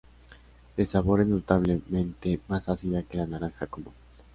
De sabor es notablemente más ácida que la naranja común.